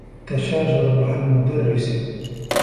تشاجر مع المدرّس.